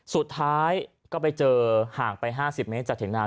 สุดท้ายก็ไปเจอห่างไป๕๐เมตรจากเถียงนา